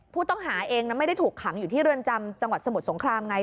ผู้ต้องหาเองไม่ได้ถูกขังอยู่ที่เรือนจำจังหวัดสมุทรสงครามไง